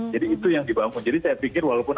jadi itu yang dibangun jadi saya pikir walaupun